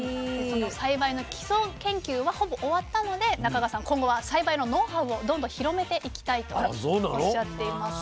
栽培の基礎研究はほぼ終わったので中川さん今後は栽培のノウハウをどんどん広めていきたいとおっしゃっています。